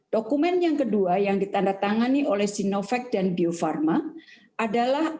dokumen yang kedua yang ditandatangani oleh sinovac dan bio farma adalah